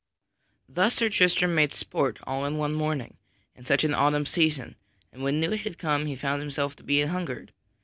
Thus Sir Tristram made sport all one morning, in such an autumn season, and when noon had come he found himself to be anhungered.